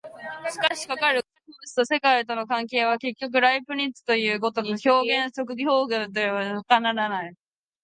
しかしかかる個物と世界との関係は、結局ライプニッツのいう如く表出即表現ということのほかにない。